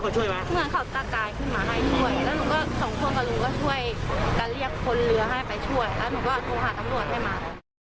ก็โทรหาตำรวจให้มา